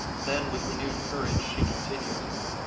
Then, with renewed courage, she continued.